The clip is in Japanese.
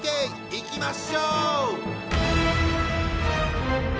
いきましょう！